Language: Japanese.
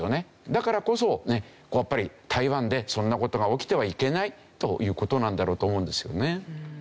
だからこそやっぱり台湾でそんな事が起きてはいけないという事なんだろうと思うんですよね。